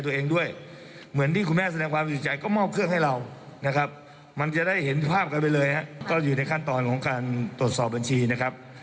ทั้งหมดทั้งสิ้นครับยังอยู่ในขบวนการครับ